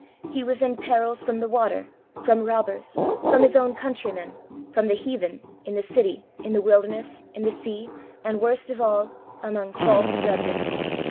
He was in perils from the water, from robbers, from his own countrymen, from the heathen, in the city, in the wilderness, in the sea, and, worst of all, among false brethren.